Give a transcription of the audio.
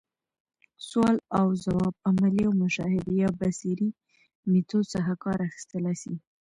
سوال اوځواب، عملي او مشاهدي يا بصري ميتود څخه کار اخستلاي سي.